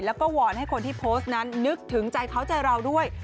แล้วก็วอนให้คนที่โพสต์นั้นนึกถึงใจเขาใจเราด้วย